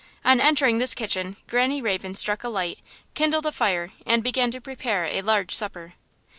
On entering this kitchen Granny Raven struck a light, kindled a fire and began to prepare a large supper.